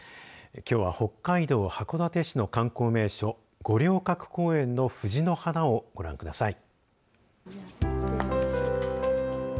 きょうは北海道函館市の観光名所、五稜郭公園の藤の花をご覧ください。